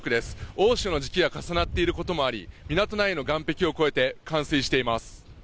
大潮の時期が重なっていることもあり港内の岸壁を越えて冠水しています。